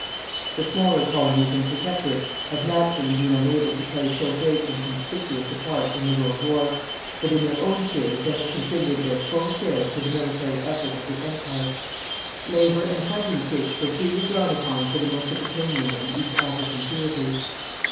The smaller Colonies and Protectorates have naturally been unable to play so great and conspicuous a part in the World War, but in their own spheres they have contributed their full share to the military effort of the Empire. Labour and fighting troops were freely drawn upon for the Mesopotamian and East African theatres.